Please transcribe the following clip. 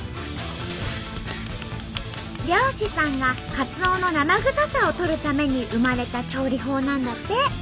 漁師さんがカツオの生臭さを取るために生まれた調理法なんだって。